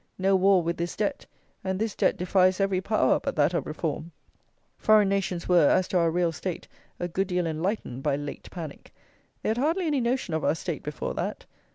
No war with this Debt; and this Debt defies every power but that of Reform. Foreign nations were, as to our real state, a good deal enlightened by "late panic." They had hardly any notion of our state before that.